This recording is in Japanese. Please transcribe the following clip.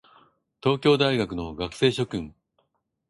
東京大学の学生諸君